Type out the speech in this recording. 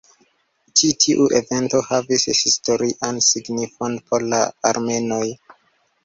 Ĉi tiu evento havis historian signifon por la armenoj.